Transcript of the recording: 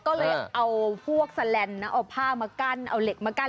ก็เลยเอาพวกแสลนด์นะเอาผ้ามากั้นเอาเหล็กมากั้น